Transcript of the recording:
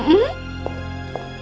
aku sangat menyesal